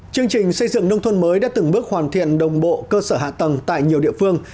chương trình xây dựng nông thôn mới đã từng bước hoàn thiện đồng bộ cơ sở hạ tầng tại nhiều địa phương